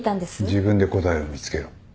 自分で答えを見つけろ。